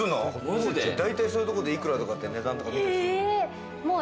大体そういうところで幾らとかって値段とか見たりするの？